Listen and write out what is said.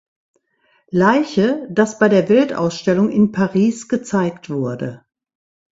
Leiche", das bei der Weltausstellung in Paris gezeigt wurde.